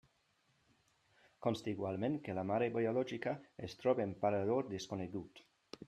Consta igualment que la mare biològica es troba en parador desconegut.